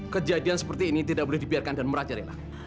kejadian seperti ini tidak boleh dibiarkan dan merajari la